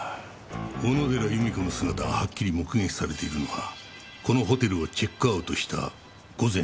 小野寺由美子の姿がはっきり目撃されているのはこのホテルをチェックアウトした午前６時半。